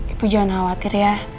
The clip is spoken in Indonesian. ibu jangan khawatir ya